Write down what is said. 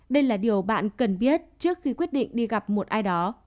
đây là điều bạn cần biết trước khi quyết định đi gặp một ai đó